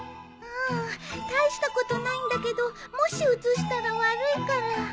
うん大したことないんだけどもしうつしたら悪いから。